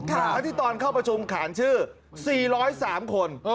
ทั้งที่ตอนเข้าประชุมขานชื่อ๔๐๓คน